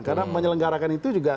karena menyelenggarakan itu juga